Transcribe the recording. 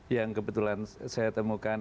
yang kebetulan saya temukan